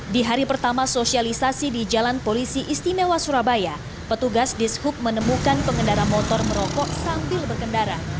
di hari pertama sosialisasi di jalan polisi istimewa surabaya petugas dishub menemukan pengendara motor merokok sambil berkendara